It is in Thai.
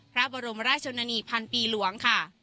พระราชชนนีพันปีหลวง